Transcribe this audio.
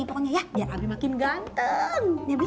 pokoknya ya biar abi makin ganteng